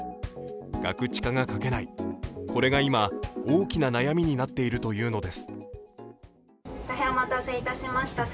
ガクチカが書けない、これが今、大きな悩みになっているというのです。